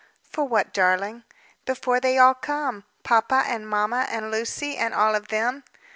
"For what, darling?" "Before they all come. Papa and mamma, and Lucy, and all of them."